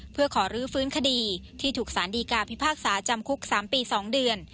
เพื่อขอรื้อฟื้นคดีที่ถูกสารดีกาพิพากษาจำคุก๓ปี๒เดือน